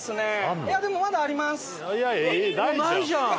いやでもまだあります。